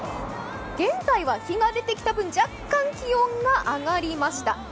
現在は日が出てきた分若干気温が上がりました。